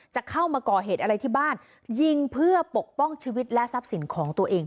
จะเข้ามาก่อเหตุอะไรที่บ้านยิงเพื่อปกป้องชีวิตและทรัพย์สินของตัวเอง